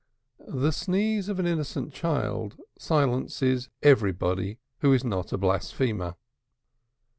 The sneeze of an innocent child silences everybody who is not a blasphemer.